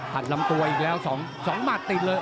ถัดล้ำตัวยังแล้ว๒หมัดติดเลย